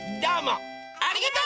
ありがとう！